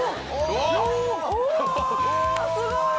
おすごい！